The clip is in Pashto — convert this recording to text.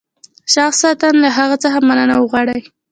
شخصاً له هغه څخه مرسته وغواړي.